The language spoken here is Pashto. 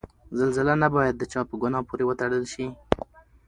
زلزله نه باید د چا په ګناه پورې وتړل شي.